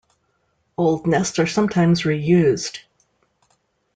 Old nests are sometimes reused.